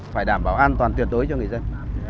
phải đảm bảo an toàn tuyệt đối cho người dân